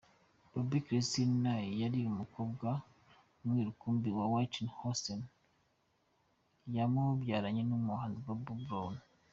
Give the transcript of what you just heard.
Bobbi Kristina yari umukobwa umwe rukumbi wa Whitney Houston, yamubyaranye n’umuhanzi Bobby Brown.